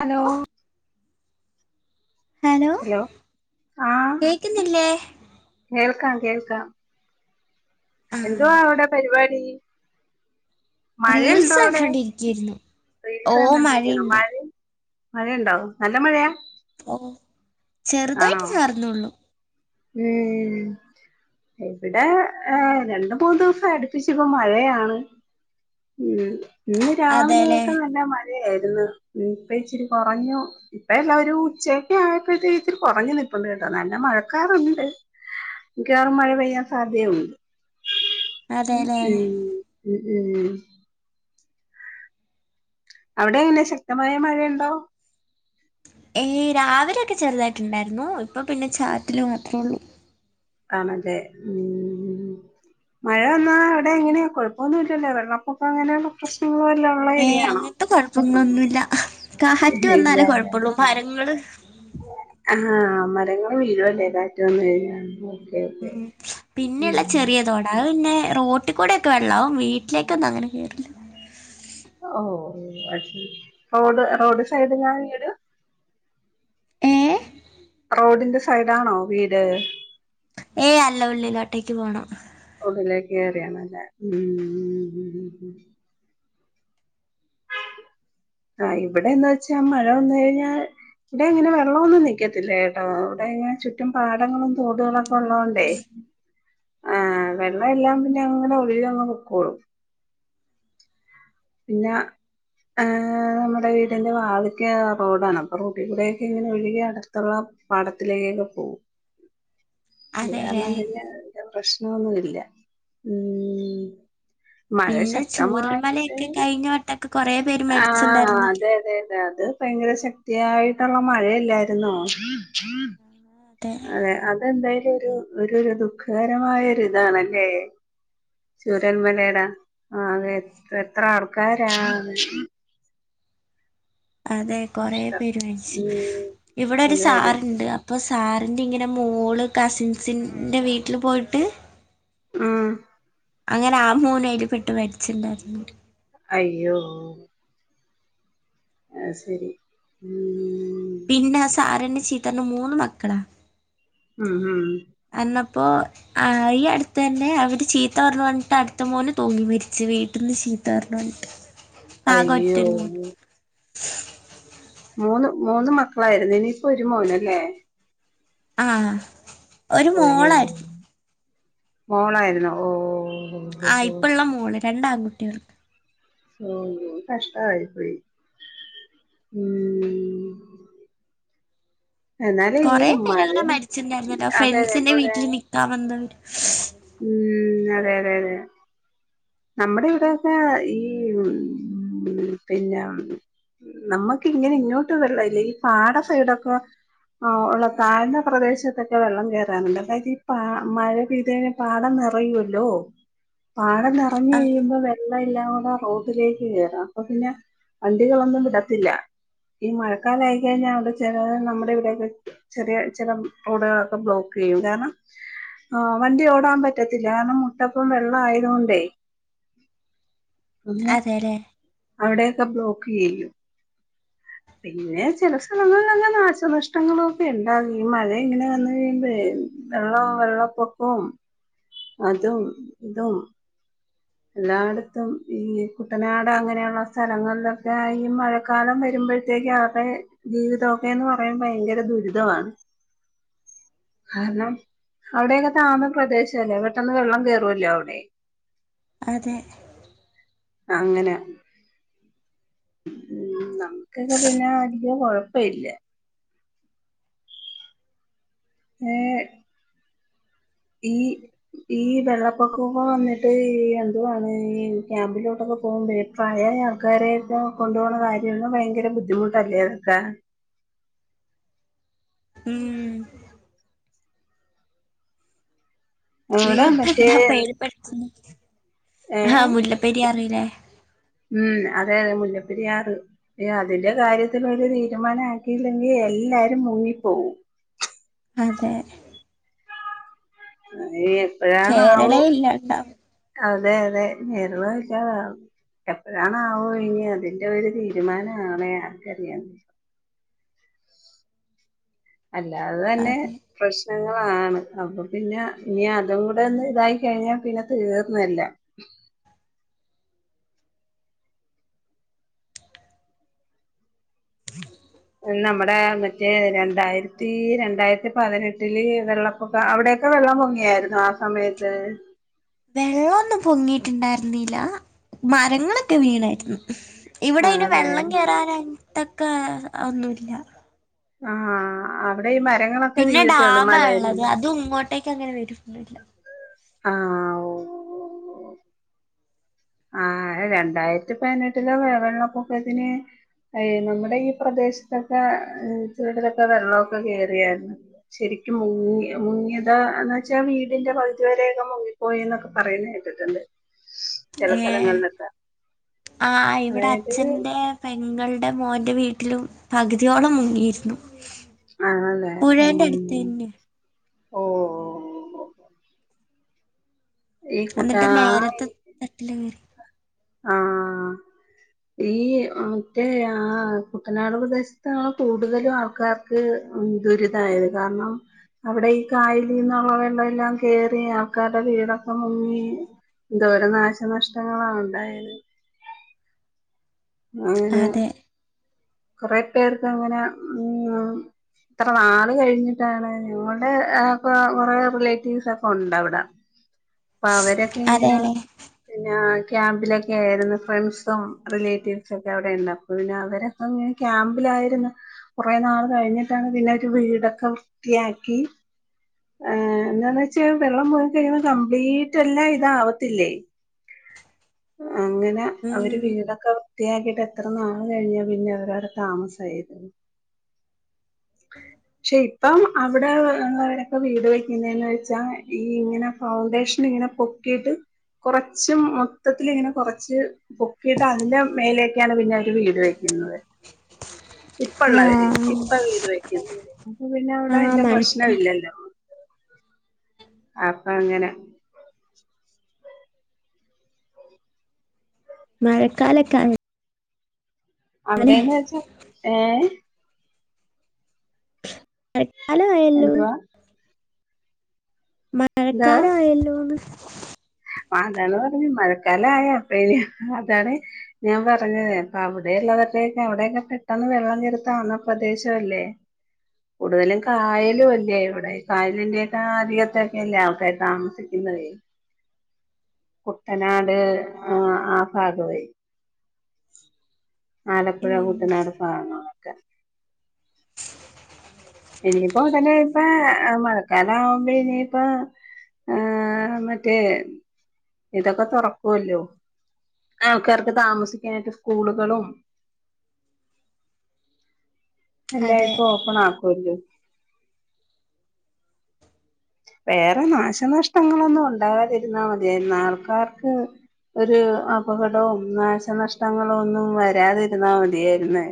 Hello hello ആഹ കേക്കുന്നില്ലേ കേൾക്കാം കേൾക്കാം ആ എന്തുവാ അവിടെ പരിപാടി റീൽസ് മഴയുണ്ടോ അവിടെ കണ്ടോണ്ടിരിക്കായിരുന്നു ഓ മഴയുണ്ട് റീൽസണ്ടണ്ടിരിക്കണമഴ മഴയുണ്ടാവും നല്ല മഴയാ ഓ ആണോ ചെറുതായിട്ട് ചാറുന്നള്ളു ഉം ഇവിടെ ഏ രണ്ട മൂന്ന്ദിവസം അടുപ്പിച്ച ഇപ്പൊ മഴയാണ് ഉം ഇന്ന് രാവിലെ അതെല്ലേ ഒക്കെ നല്ല മഴ ആയിരുന്നു ഇപ്പ ഇച്ചിരി കുറഞ്ഞു ഇപ്പ എല്ലാവരും ഉച്ചക്കെ ആയപ്പോഴത്തേ ഇച്ചിരി കുറഞ്ഞു നി പ്പണ്ട് കേട്ടോ നല്ല മഴക്കാറുണ്ട് എനിക്ക് മിക്കവറും മഴ പെയ്യാൻ സാധ്യതുണ്ട് ഉ അതെല്ലേ ഉം ഉ ഉം അവിടെ എങ്ങനെ ശക്തമായ മഴയുണ്ടോ ഏയ് രാവിലെ ഒക്കെ ചെറുതായിട്ടുണ്ടായിരുന്നു ഇപ്പൊ പിന്നെ ചാറ്റില മാത്രേ ഉള്ളു ആണല്ലെ ഉം മഴ വന്നാൽ അവിടെ എങ്ങനെയാ കുഴപ്പമൊന്നുംല്ലല്ലോ വെള്ളക്കൊക്കം അങ്ങനെയുള്ള പ്രശ്നങ്ങ ഏഹ് അങ്ങനത്തെ കുഴപ്പങ്ങളൊന്നുമല്ല കാറ്റ് ഇല്ല വന്നാലേ ല്ലേ കൊഴപ്പള്ളൂ മരങ്ങള് ഉം ആഹ മരങ്ങളു വീഴുല്ലേ കാറ്റവന്നു കഴിഞ്ഞ ഉം പിന്നെള്ള ചെറിയതോടാ അത്പിന്നെ റോട്ടിൽ കൂടെക്കെ വെള്ളാവും വീട്ടിലേക്ക ഒന്നും അങ്ങനെ കേറില്ല ഓഹോ ഓ അ റോഡ് റോഡ് സൈഡ് ഞാൻ വീട് ഏ റോഡിന്റെ സൈഡാണോ വീട് ഏയ് അല്ല ഉള്ളിലോട്ടേക്ക് പോണം ഉള്ളിലേക്ക് കേയറിയണല്ലേ ഉം ഉം ആഹ ഇവിടെ എന്താ വച്ചാ മഴൊന്ന കഴിഞ്ഞാൽ ഇവിടെ ഇങ്ങനെ വെള്ളമൊന്നും നിൽക്കത്തില്ലേ കേട്ടോ ഇവിടെങ്ങനെ ചുറ്റും പാടങ്ങളും തൊടുകളും ഒക്കെ ഉള്ളതുകൊഇണ്ടേ ആ വെള്ളം എല്ലാം പിന്നെ അങ്ങനെ ഒഴുകി അങ്ങ് പോക്കോളും പിന്ന ആഹ നമ്മുടെ വീടിന്റെ വാതിക്കെ റോഡാണ് അപ്പൊ റോഡിൽ കൂടെ യൊക്കെ ഇങ്ങനെ ഒഴുകി അടുത്തോ ള്ള പാടത്തിലേക്കൊക്കെ പോകവും അതെല്ലേ കാരണം പിന്നേ പ്രശ്നൊന്നും ഇല്ല ഉം മഴ പിന്നെ ശക്തമായിട്ട് ചൂരൽമലയൊക്കെ കഴിഞ്ഞ വട്ടൊക്കെ കൊറേ പേര് ആഹ മരിച്ചിണ്ടായിരുന്നില്ലേ അതെ അതെ അതെ അത ഭയങ്കര ശക്തിയായിട്ടുള്ള മഴയില്ലായിരു ന്നോ അതെ അതെന്തായും ഒരു ഒരു ദുഃഖകരമായ ഇതാണല്ലേ ചുരന്മലയുടെ ആ അത എ എത്ര ആൾക്കാരാ മരിച്ചേ അതെ കൊറെ കഷ്ടം പേര് മരിച്ചു ഉം ഇവിടെ ഒരു അതെ അതെ സാറ് ഇണ്ട് അപ്പൊ സാറിന്റെ ഇങ്ങനെ മോള് കസിൻസിന്റെ വീട്ടില് പോയിട്ട് മ്മ് അങ്ങനെ ആ മോന് അയില് പെട്ട് മരിച്ചിണ്ടായിരുന്നു അയ്യോ ആ ശരി ഉം സാറിന് മൂന്ന് മക്കളാ ഉം ഉം അപ്പോൾ ഈ അടുത്ത് തന്നെ അവർ ചീത്ത പറഞ്ഞ പറഞ്ഞിട്ട് അടുത്ത മോന് തൂങ്ങി മരിച്ച് വീട്ടിൽ നിന്ന് ചീ തെർലണ്ട് അയ്യോ ഓ മൂന്ന് മൂന്ന് മക്കളായിരുന്നു ഇനിയിപ്പോ ഒരു മോനല്ലേ ആ ഒരു അയ്യോ മോളായിരുന്നു മോളായിരുന്നു ഓ ഓ ഓ ആ ഓ. ഇപ്പള്ള മോള് രണ്ട് ആൺകുട്ടികള് ഓ കഷ്ട ആയി പോയി ഉം എന്നാലും ഈ കെറേ പേര് മഴ അങ്ങനെ മരിച്ചെന്ന് ഞാൻ അറിഞ്ഞല്ലോ അതെ ഫ്രണ്ട്സിന്റെ അതെ വീട്ടിൽ നിക്കാൻ വന്നവര് ഉം അതെ അതെ അതെ നമ്മടെ ഇവിടെയൊക്കെ ഈ മ്മ് പിന്നെ നമ്മക്ക് ഇങ്ങനെ ഇങ്ങോട്ട് വെള്ളയില്ല ഈ പാടസൈഡൊക്കെ ആ ഉള്ള താഴ്ന്ന പ്രദേശത്തെക്കെ വെള്ളം കേറാനുണ്ട് അതായത് ഈ പാ മഴ പെയ്ത് കഴി പാടം നിറയുവല്ലോ പാടം നിറഞ്ഞ ആ കഴിയുമ്പോ വേ പ്പ എല്ലാടൊ റോട്ടിലേക്ക്കേറാ അപ്പൊപിന്നെ വണ്ടികളൊന്നും വിടത്തില്ല ഈ മഴക്കാല ആയിക്കഴിഞ്ഞാൽ അവിടെ ചില നമ്മുടെ ഇവിടെക്കെ ചെറിയ ചില റോഡുകളൊക്കെ ബ്ലോക്ക് [unintelligible] ആഹ് വണ്ടി ഓ പോവാൻ പറ്റത്തില്ലാ കാരണം മുട്ടപ്പം വെള്ള ആയതൊണ്ടേ പിന്നെ അതെ അല്ലേ അവിടെക്കെ ബ്ലോക്ക് ചെയ്യും പിന്നെ ചില സ്ഥലങ്ങളില്ലെല്ലാം നാശനഷ്ടങ്ങളൊക്കെ ഇണ്ടാവും ഈ മഴ ഇങ്ങനെ വന്ന് കഴിയുമ്പഴേ വെള്ളം വെള്ളപ്പൊക്കവും അതും ഇതും എല്ലായിടത്തും ഈ കുട്ടനാട് അങ്ങനെയുള്ള സ്ഥലങ്ങളിലൊക്കെ ആഹ് ഈ മഴക്കാലം വരുമ്പോ മ്പോഴത്തേക്ക് അവടെ ജീവിതമൊക്കെന്ന് പറയാൻ ഭയങ്കര ദുരിതമാണ് ഹലോ അവിടെയൊക്കെ താന്നപ്രദേശല്ലേ പെട്ടന്ന് വെള്ളംകേറുവല്ലോ അവ്ടെ അതെ അങ്ങനെ ഉം നമുക്കൊക്കെ പിന്നെ വല്യ കൊഴപ്പ ഇല്ലാ ഏഹ് ഈ ഈ വെള്ളപ്പൊക്കൊക്കെ വന്നിട്ട് എന്തുവാണ് ഈ ക്യാമ്പിലോട്ടൊക്കെ പോവുമ്പേ പഴേ ഈ ആൾക്കാരെക്കെ കൊണ്ടോണ കാര്യം ഭയങ്കര ബുദ്ധിമുട്ടല്ലേ അതൊക്കെ [inaudible] ഉം അവിടെ ഇനിപ്പ മറ്റേ ന്താ പേര് [unintelligible] ഏ ആഹ് മുല്ലപ്പെരിയാർലേ ഉം അതെ മുല്ലപ്പെരിയാറ് എ അതിന്റെ കാര്യത്തിൽ ഒരു തീരുമാനം ആക്കിയില്ലെങ്കി എല്ലാരും മുങ്ങിപ്പോവും അതെ അയെ കേരള ഇല്ലാണ്ടാ അതെ അതെ കേരളല്ലാതാവും. എപ്പഴാണാവോ ഇനിഅതിന്റരു തീരുമാനാണെ ആർക്കറിയാ. [inaudible] അല്ല അതെന്നെ അതെ പ്രശ് നങ്ങളാണ് അപ്പൊ പിന്നെ ഇനി അതും കൂടെ ഒന്ന് ഇതായി കഴിഞ്ഞാ പിന്നെ തീർന്നെല്ല [inaudible] നമ്മുടെ മറ്റേ രണ്ടായിരത്തി രണ്ടായിര്ത്തി പതിനെട്ടില് വെള്ളപ്പൊക്ക അവിടെ ടെ വെള്ളം പൊങ്ങിയായിര്ന്നോ ആ സമയത്ത് വെള്ളൊന്നും പൊങ്ങീട്ട്ണ്ടായിര്ന്നില്ല മരങ്ങളൊക്കെ വീണായിര്ന്നു ഇവിടയ്ന് ആണല്ലേ വെള്ളം കേയറാനായത്തക്കെ ഒന്നുല്ല ആഹ് അവടെ ഈ മരങ്ങളൊക്കെ പിന്നെ വീഴത്തഒള്ളു ഡാമാ ഉള്ളത് മലയല്ലേ അതും ഇങ്ങോട്ടേക്ക് അങ്ങനെ വരുന്നില്ല ആഹ് ഓഹ് ആഹ് രണ്ടായിരത്തി പൈനെട്ടിലെ മഴ വെള്ളപ്പൊക്കത്തിന് എയ് നമ്മുടെ ഈ പ്രദേശത്തൊക്കെ [unintelligible] ലൊക്കെ വെള്ളൊക്കെ കേറിയായ്രുന്നു. ശരി മുങ്ങി മുങ്ങിയത ന്ന് വെച്ചാ വീടിന്റെ പകുതി വരേക്കെ മുങ്ങിപ്പോയി ന്നൊക്കെ പറയുന്നേട്ട്ണ്ട് [inaudible] ഏ ഹ് ആഹ് ഇവിടെ അതായത് അച്ഛന്റെ പെങ്ങൾ ന്റെ മോന്റെ വീട്ടിലും പകുതിയോളം മുങ്ങീർന്നു ആണല്ലേ ഉം ഓഹ് എന്നിട്ട് മേലത്തെ തട്ടില് കേറി ആ ഈ മറ്റേ ആ കുട്ടനാട് പ്രദേശത്താണ് കൂടുതലും ആൾക്കാർക്ക് ദുരിതായത് കാരണം അവിടെ ഈ കായലീന്നുള്ള വെള്ളല്ലാം കേറി ആൾക്കാരുടെ വീടൊക്കെ മുങ്ങി ന്തോരം നാശനഷ്ടങ്ങളാ ഉണ്ടായത് അങ്ങനെ അതെ കൊറേ പേർക്കങ്ങനെ ഉം ത്രനാള് കഴിഞ്ഞിട്ടാണ് ഞങ്ങളുടെ കൊറേ റിലേറ്റീവ്സ് ഒക്കെ ഉണ്ടവ്ടെ പ്പ അവരൊക്കിങ്ങനെ അതെല്ലേ പിന്നെ ക്യാമ്പിലൊക്കായിരുന്നു ഫ്രണ്ട്സും റിലേറ്റീവ് സൊക്കെ അവിടെണ്ട് അപ്പ പിന്നെ അവരൊക്കെങ്ങനെ ക്യാമ്പിലായിരുന്നു കുറേ നാൾ കഴിഞ്ഞിട്ടാണ് പിന്നെ ഒരു വീടൊക്കെ വൃത്തിയാക്കി ഏ എന്താന്നെച്ചാ വെള്ളം പോയി കൈഞ്ഞപ്പോ കംപ്ലീറ്റ് എല്ലാം ഇതാവത്തില്ലേ അങ്ങനെ അവര് ഉം. വീടൊക്കെ വൃത്തിയാക്കിട്ട് എത്ര നാള് കഴിഞ്ഞാ പിന്നവരടെ താമസായേ പക്ഷെ ഇപ്പം അവിടെ എ വീട് വെക്കുന്നന്ന് വെച്ചാ ഈ ഇങ്ങനെ ഫൗണ്ടേഷൻ ങ്ങനെ പൊക്കീട്ട് കുറച്ചും മൊത്തത്തില് ങ്ങനെ കൊറച്ച് പൊക്കീട്ട് അതിന്റെ മേലേക്കാണ് പിന്നെവര് വീട് വെക്കുന്നത് ഇപ്പ ആ ള്ളവര് ഇപ്പ വീട് വെക്കുന്നവര് അപ്പൊ പിന്നെ ഔടെ ആ അയ്ന്റെ പ്രശ്നവി മഴക്കാലം ല്ലല്ലോ അപ്പൊ ഇങ്ങനെ മഴക്കാലക്കാണ് അവിടെന്ന് വെച്ചാ ഏ മഴ ക്കാല ആയല്ലോ എന്തുവാ എന്താ മഴക്കാലയല്ലോന്ന് അതാണ് പറഞ്ഞു മഴക്കാലം ആയാ അപ്പ ഇനി അതാണ് ഞാൻ പറഞ്ഞത് അപ്പ അവിടെള്ള ഇത്തേ എവിടെൊക്കെ പെട്ടെന്ന് വെള്ളം ത്താവുന്ന പ്രദേശംല്ലേ കൂടുതലും കായലും അല്ലേ ഇവിടെ കായലിന്റെറെൊക്കെ അധികത്തൊക്കെല്ല അവക്ക താമസിക്കുന്നത് കുട്ടനാട് ആ ആ ഭാഗവേ ആലപ്പുഴ കൂട്ടനാട് ഭാഗങ്ങളൊക്കെ ഇനിയിപ്പോ ഉടനെ ഇപ്പ മഴക്കാലം ആവുമ്പോ ഇനിയിപ്പ ആ മറ്റേ ഇതൊക്കെ തുറക്കുമല്ലോ ആൾക്കാർക്ക് താമസിക്കാനായിട്ട് സ്കൂളുകളും അല്ല അതെ ഇപ്പൊ ഓപ്പണ ആക്കല്ലോ വേറെ നാശനഷ്ടങ്ങളൊന്നും ഉണ്ടാകാതിരുന്നാ മതിയ ആൾക്കാർക്ക് ഒരു അപകടവും നാശനഷ്ടങ്ങളോ ഒന്നും വരാതിരുന്നാ മതിയായിുന്ന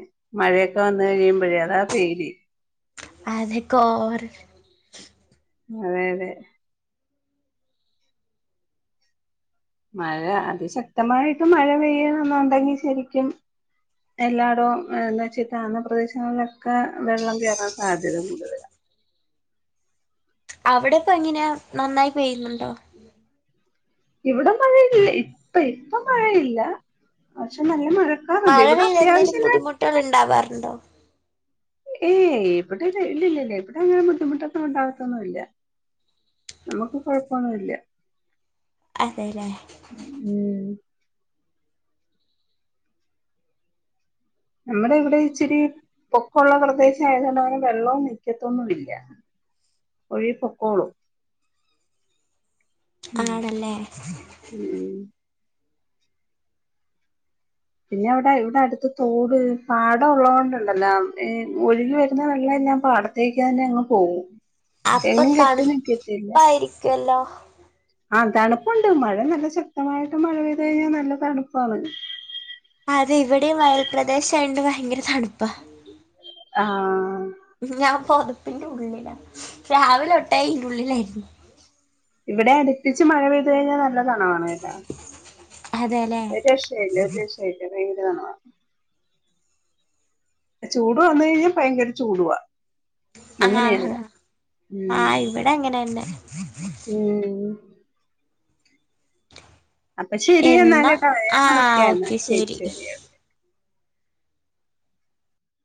മഴയൊക്കെ വന്ന് കഴിയുമ്പോഴേ അതാ പേര് അതി കോർ അതെ അതെ മഴ അതിശക്തമായിട്ട് മഴ പെയ്യണെന്നുണ്ടെങ്കി ശരിക്കും എല്ലായിടവും എന്ത വെച്ചിട്ട് അന്ന പ്രദേശങ്ങളിലൊക്കെ വെള്ളം കയറാൻ സാധ്യത കൂടുതല അവിടെ ഇപ്പ എങ്ങനെയാ നന്നായി പോയിുന്നുണ്ടോ ഇവിടെ മഴയില്ല ഇപ്പ ഇപ്പ മഴയില്ല പക്ഷെ നല്ല മഴ മഴ വെൽ എന്തേങ്കലും ബുദ്ധിമുട്ടുക ഉണ്ടാവാറുണ്ടോ ഏയ് ഇപടെല്ല ഇല്ലല്ലല്ല ഇപടെ അങ്ങനെ ബുദ്ധിമുട്ടൊന്നും ഉണ്ടാവാത്തൊന്നുമല്ല നമുക്ക് കൊഴപ്പൊന്നുമല്ല അതെല്ലേ ഉം നമ്മുടെ ഇവിടെ ഇച്ചിരി പൊക്കുള്ള പ്രദേശ ആയത കൊൊണ്ട് അങ്ങനെ വെള്ളവും നിക്കത്തൊന്നും ഇല്ല ഒഴി പൊക്കോളൂ ആണല്ലേ ഉം പിന്നെ അവിടെ ഇവിടെ അടുത്ത് തോട് പാടം ഉള്ളത് കൊണ്ടണ്ടല്ലോ ഒഴുകി വരുന്ന വെള്ള ഞൻ പാടത്തേക്ക് തന്നെ അങ്ങ് പോകും അപ്പൊ എങ്ങും കെട്ടുംക്കത്തില്ല തണുപ്പായിരിക്കുവല്ലോ ആ തണുപ്പുണ്ട് മഴ നല്ല ശക്തമായിട്ട് മഴ പെയ്ത് കഴിഞ്ഞാൽ നല്ല തണുപ്പാണ് അതെ ഇവിടെയും അയൽപ്രദേശ ആണ്ട് ഭയങ്കര തണുപ്പ ആ ഞാൻ പൊതപ്പിന്റെ ഉള്ളിലാ രാവിലെ തോട്ടേ ഇറ്റുള്ളിലായിരുന്നു ഇവിടെ അടുപ്പിച്ച് മഴ പെയ്ത് കഴിഞ്ഞാ നല്ല ണണല്ല അതെല്ലേ ഒരു രഷല്ല ഒരു രഷല്ല കഴിന്നി [unintelligible] ചൂട് വന്ന കഴിഞ്ഞാൽ ഭയങ്കര ചൂടുവാ ആഹ് അങ്ങനെയാ ഇവിടാ ഉ ആഹ് ഇവിടെ അങ്ങനെന്നെ ഉം അപ്പൊ ശെരിയ എന്നാ എന്നൽട്ടേ ഞാൻ ആഹ് വിളിക്കാം എന്നാ ഓക്കെ ശരി ശരി ഒക്കെ